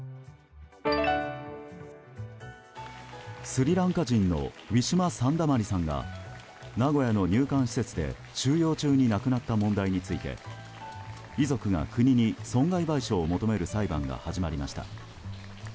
スリランカ人のウィシュマ・サンダマリさんが名古屋の入管施設で収容中に亡くなった問題について遺族が国に損害賠償を求める裁判が始まりました。